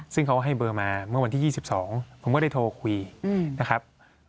ซึ่งเขาให้เบอร์มาเมื่อวันที่๒๒ผมก็ได้โทรคุยนะครับ